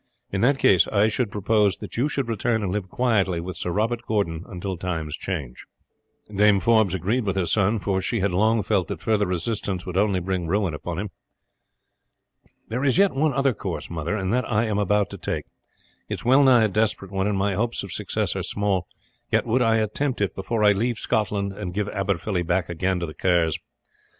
In that case I should propose that you should return and live quietly with Sir Robert Gordon until times change." Dame Forbes agreed with her son, for she had long felt that further resistance would only bring ruin upon him. "There is yet one other course, mother, and that I am about to take; it is well nigh a desperate one, and my hopes of success are small, yet would I attempt it before I leave Scotland and give Aberfilly back again to the Kerrs.